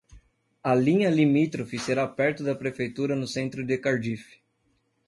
A linha limítrofe será perto da Prefeitura no centro de Cardiff.